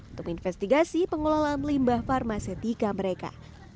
untuk investigasi pengelolaan limbah pharmacetika mereka